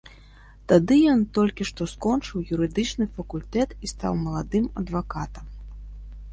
Тады ён толькі што скончыў юрыдычны факультэт і стаў маладым адвакатам.